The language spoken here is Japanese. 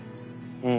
うん。